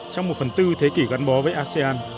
trong một phần tư thế kỷ gắn bó với asean